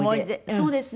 そうですね。